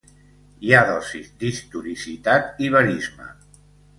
Hi ha dosis d'historicitat i verisme.